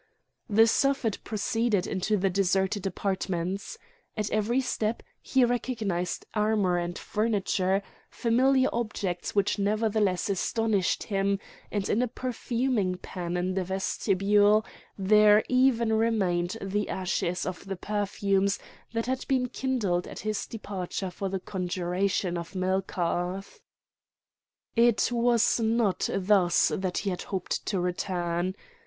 The Suffet proceeded into the deserted apartments. At every step he recognised armour and furniture—familiar objects which nevertheless astonished him, and in a perfuming pan in the vestibule there even remained the ashes of the perfumes that had been kindled at his departure for the conjuration of Melkarth. It was not thus that he had hoped to return.